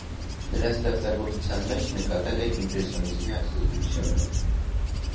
Նրա ստեղծագործության մեջ նկատելի է իմպրեսիոնիզմի ազդեցությունը։